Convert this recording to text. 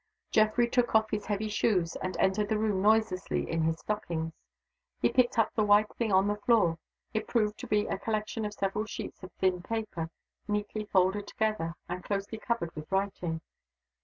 Geoffrey took off his heavy shoes, and entered the room noiselessly in his stockings. He picked up the white thing on the floor. It proved to be a collection of several sheets of thin paper, neatly folded together, and closely covered with writing.